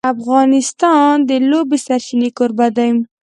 افغانستان د د اوبو سرچینې کوربه دی.